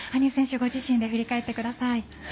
ご自身で振り返ってください。